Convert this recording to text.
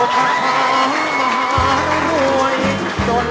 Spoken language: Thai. เจ้าคาทาวน์มหารวย